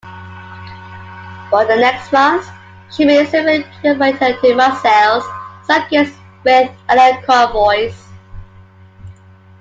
For the next month, she made several Gibraltar-to-Marseilles circuits with Allied convoys.